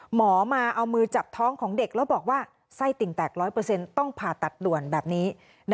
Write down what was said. หมอมาเอามือจับท้องของเด็กแล้วบอกว่าไส้ติ่งแตก๑๐๐ต้องผ่าตัดด่วนแบบนี้